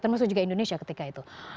termasuk juga indonesia ketika itu